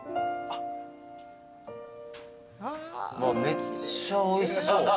めっちゃおいしそう。